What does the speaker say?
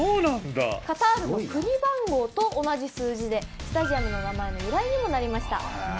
カタールの国番号と同じ数字でスタジアムの名前の由来にもなりました。